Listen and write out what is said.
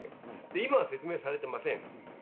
今は説明されていません。